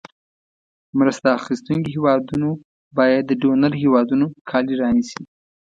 مرسته اخیستونکې هېوادونو باید د ډونر هېوادونو کالي رانیسي.